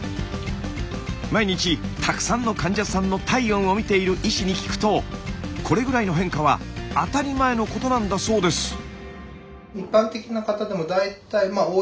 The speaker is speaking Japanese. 毎日たくさんの患者さんの体温をみている医師に聞くとこれぐらいの変化は当たり前のことなんだそうです。